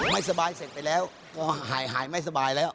ไม่สบายเสร็จไปแล้วก็หายไม่สบายแล้ว